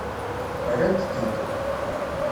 Rrant-t-id.